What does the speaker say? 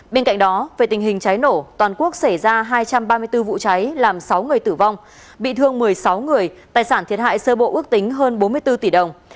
bên cạnh đó về tình hình cháy nổ toàn quốc xảy ra hai trăm ba mươi bốn vụ cháy làm sáu người tử vong bị thương một mươi sáu người tài sản thiệt hại sơ bộ ước tính hơn bốn mươi bốn tỷ đồng